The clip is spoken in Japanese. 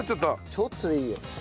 ちょっとでいいよ。